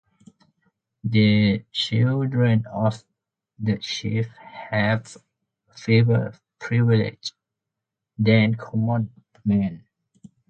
The children of the chief have fewer privileges than common men.